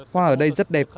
hoa ở đây rất đẹp